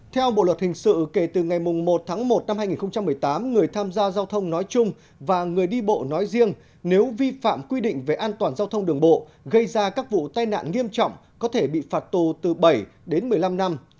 theo bộ luật hình sự kể từ ngày một tháng một năm hai nghìn một mươi tám người tham gia giao thông nói chung và người đi bộ nói riêng nếu vi phạm quy định về an toàn giao thông đường bộ gây ra các vụ tai nạn nghiêm trọng có thể bị phạt tù từ bảy đến một mươi năm năm